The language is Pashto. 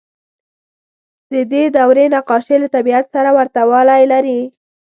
د دې دورې نقاشۍ له طبیعت سره ورته والی لري.